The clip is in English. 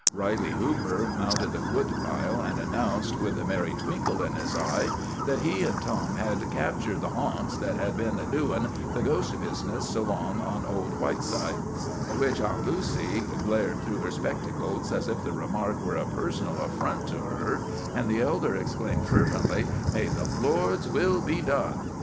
Riley Hooper mounted the woodpile, and announced, with a merry twinkle in his eye, that he and Tom had captured the "harnts" that had been "doin'" the ghost business so long on old Whiteside; at which Aunt Lucy glared through her spectacles as if the remark were a personal affront to her, and the elder exclaimed fervently, "May the Lord's will be done!"